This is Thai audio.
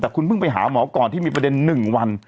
แต่คุณเพิ่งไปหาหมอก่อนที่มีประเด็น๑วัน